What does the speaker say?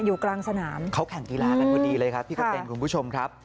อยู่กลางสนามเขาแข่งกีฬากันพอดีเลยครับพี่กะเต้นคุณผู้ชมครับ